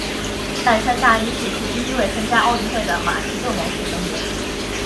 亚历山大一世是第一位参加奥运会的马其顿王室成员。